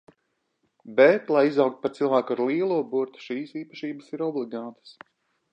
Bet, lai izaugtu par cilvēku ar lielo burtu, šīs īpašības ir obligātas.